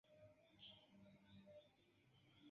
Izabela taksas sin tre malbela.